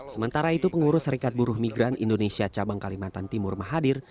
sementara itu pengurus serikat buruh migran indonesia cabang kalimantan timur mahadir